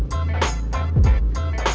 akhirnya gw panggil karl klaus